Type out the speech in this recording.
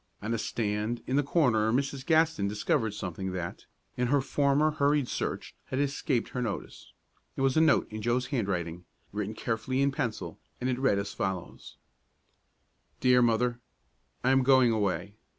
On a stand in the corner Mrs. Gaston discovered something that, in her former hurried search, had escaped her notice. It was a note in Joe's handwriting, written carefully in pencil, and it read as follows: DEAR MOTHER, I am going away.